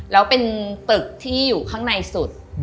แล้วเป็นตึกที่อยู่ข้างในสุด